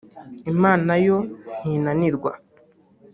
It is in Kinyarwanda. Imana yo ntinanirwa